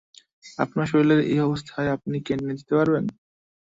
আপনার শরীরের এই অবস্থায় আপনি ক্যান্টিনে যেতে পারবেন?